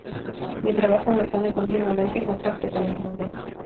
Mi trabajo me pone continuamente en contacto con el mundo.